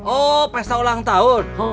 oh pesta ulang tahun